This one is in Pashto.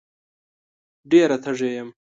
ډېره تږې یم